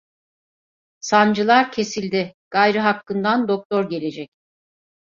Sancılar kesildi, gayrı hakkından doktor gelecek.